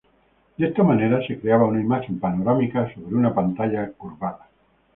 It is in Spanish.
De esta manera se creaba una imagen panorámica sobre una pantalla curvada.